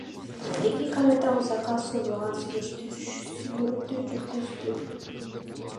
Эки тарап узакка созулган сүйлөшүүлөрдү жүргүздү.